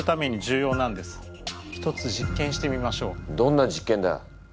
どんな実験だ？